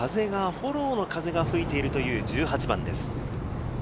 フォローの風が吹いているという１８番です。